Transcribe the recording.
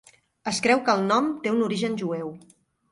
Es creu que el nom té un origen jueu.